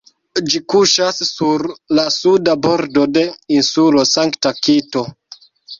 Ĝi kuŝas sur la suda bordo de Insulo Sankta-Kito.